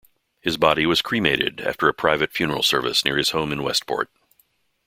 His body was cremated after a private funeral service near his home in Westport.